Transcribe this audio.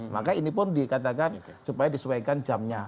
maka ini pun dikatakan supaya disesuaikan jamnya